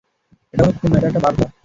এটা কোনো খুন নয়, এটা একটা বার্তা।